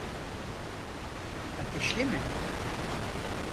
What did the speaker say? Ateşli mi?